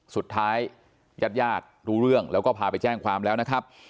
สุดท้ายญาติญาติรู้เรื่องแล้วก็พาไปแจ้งความแล้วนะครับ